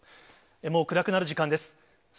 もう暗くなる時間です。